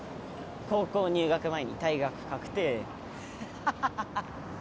高校入学前に退学確定ハハハハ